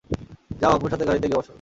যাও, আম্মুর সাথে গাড়িতে গিয়ে বসো।